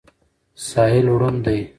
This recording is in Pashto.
ساحل ړوند دی.